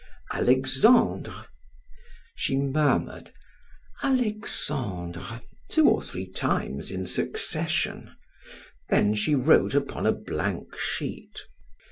"Alexandre." She murmured "Alexandre!" two or three times in succession; then she wrote upon a blank sheet: "M.